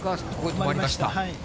止まりました。